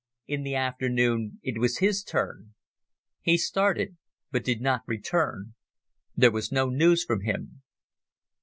In the afternoon it was his turn. He started but did not return. There was no news from him.